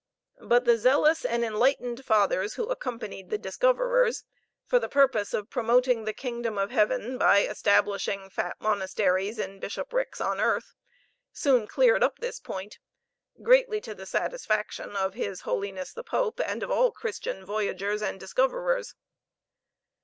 But the zealous and enlightened fathers who accompanied the discoverers, for the purpose of promoting the kingdom of heaven by establishing fat monasteries and bishoprics on earth, soon cleared up this point, greatly to the satisfaction of his holiness the Pope and of all Christian voyagers and discoverers.